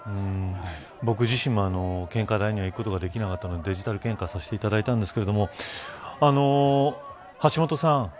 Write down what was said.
僕自身も献花台に行くことができなかったのでデジタル献花させていただいたんですが橋下さん